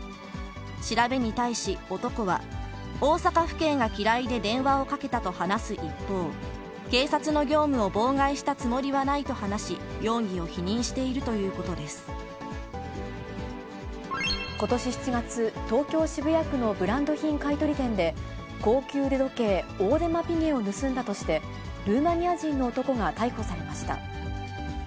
調べに対し男は、大阪府警が嫌いで電話をかけたと話す一方、警察の業務を妨害したつもりはないと話し、容疑を否認しているとことし７月、東京・渋谷区のブランド品買い取り店で、高級腕時計、オーデマ・ピゲを盗んだとして、ルーマニア人の男が逮捕されました。